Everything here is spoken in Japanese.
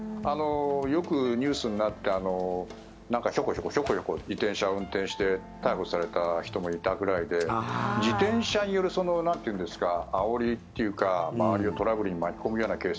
よくニュースになってヒョコヒョコヒョコヒョコ自転車を運転して逮捕された人もいたくらいで自転車によるあおりというか周りをトラブルに巻き込むようなケース。